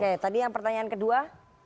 oke tadi yang pertanyaan kedua